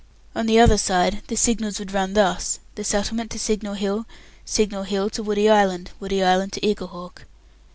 On the other side, the signals would run thus the settlement to Signal Hill, Signal Hill to Woody Island, Woody Island to Eaglehawk.